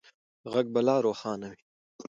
غږ به لا روښانه وي.